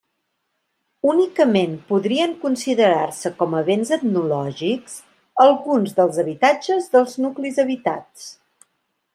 Únicament podrien considerar-se com a béns etnològics alguns dels habitatges dels nuclis habitats.